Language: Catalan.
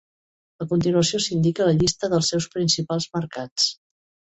A continuació s'indica la llista dels seus principals mercats.